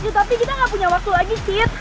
tapi kita gak punya waktu lagi fit